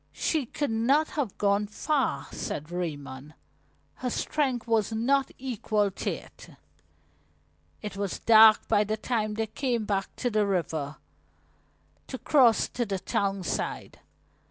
"She could not have gone far," said Raymond. "Her strength was not equal to it." It was dark by the time they came back to the river, to cross to the town side.